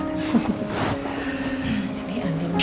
ini ada yang nunggu